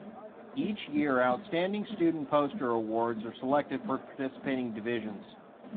Each year Outstanding Student Poster Awards are selected for participating divisions.